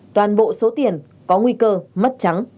toàn bộ số tiền có nguy cơ mất trắng